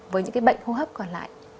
với những bệnh hô hấp còn lại